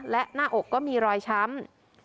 และหน้าอกก็มีรอยช้ำ